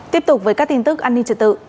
tiếp tục với các tin tức an ninh trật tự